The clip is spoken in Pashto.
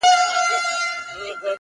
• او بحثونه بيا راګرځي تل..